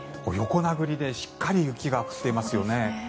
横殴りでしっかり雪が降っていますよね。